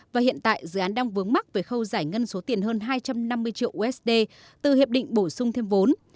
và hiện tại dự án đang vướng mắc về khâu giải ngân số tiền hơn hai trăm năm mươi triệu usd từ hiệp định bổ sung thêm vốn